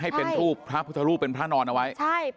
ให้เป็นรูปพระพุทธรูปเป็นพระนอนเอาไว้ใช่